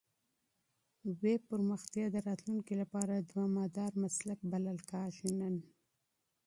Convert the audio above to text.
ویب پرمختیا د راتلونکي لپاره دوامدار مسلک بلل کېږي نن.